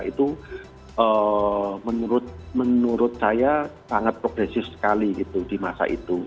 itu menurut saya sangat progresif sekali gitu di masa itu